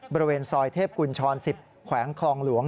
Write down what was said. บริเวณซอยเทพกุญชร๑๐แขวงคลองหลวง